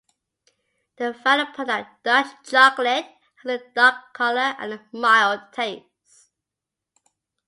The final product, Dutch chocolate, has a dark color and a mild taste.